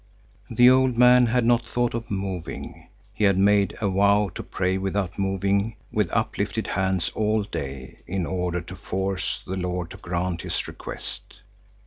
The old man had no thought of moving. He had made a vow to pray without moving with uplifted hands all day in order to force the Lord to grant his request.